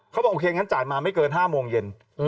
บอกโอเคงั้นจ่ายมาไม่เกิน๕โมงเย็น